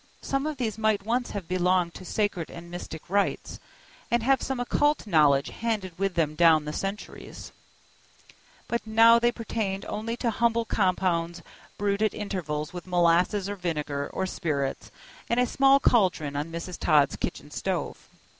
Some of these might once have belonged to sacred and mystic rites, and have had some occult knowledge handed with them down the centuries; but now they pertained only to humble compounds brewed at intervals with molasses or vinegar or spirits in a small caldron on Mrs. Todd's kitchen stove.